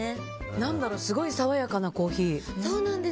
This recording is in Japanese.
何だろうすごい爽やかなコーヒー。